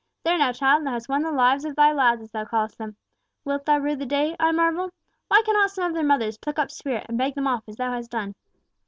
There now, child, thou hast won the lives of thy lads, as thou callest them. Wilt thou rue the day, I marvel? Why cannot some of their mothers pluck up spirit and beg them off as thou hast done?"